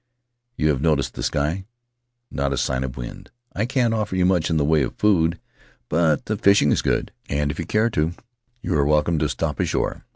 You have noticed the sky? Not a sign of wind. I can't offer you much in the way of food; but the fishing is good, and if you care to you are welcome to stop ashore."